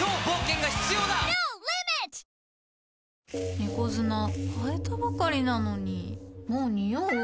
猫砂替えたばかりなのにもうニオう？